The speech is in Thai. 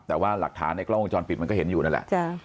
แต่ว่าหลักฐานในกล้องวงจรปิดมันก็เห็นอยู่นั่นแหละ